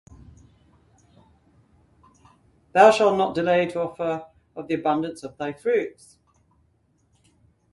Thou shalt not delay to offer of the abundance of thy fruits.